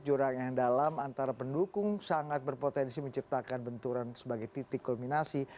jurang yang dalam antara pendukung sangat berpotensi menciptakan benturan sebagai titik kulminasi